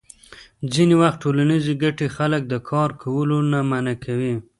ځینې وخت ټولنیزې ګټې خلک د کار کولو نه منع کوي.